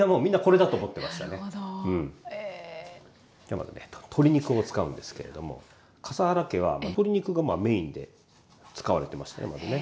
まずね鶏肉を使うんですけれども笠原家は鶏肉がメインで使われてましたねまずね。